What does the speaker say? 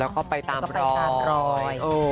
แล้วก็ไปตามรอย